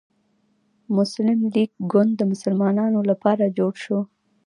مسلم لیګ ګوند د مسلمانانو لپاره جوړ شو.